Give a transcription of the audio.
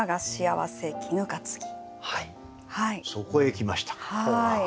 そこへ来ましたか。